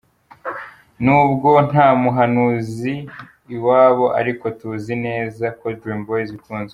Nubwo nta muhanuzi iwabo ariko tuzi neza ko Dream Boyz ikunzwe.